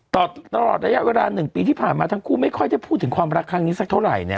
ตลอดระยะเวลา๑ปีที่ผ่านมาทั้งคู่ไม่ค่อยได้พูดถึงความรักครั้งนี้สักเท่าไหร่เนี่ย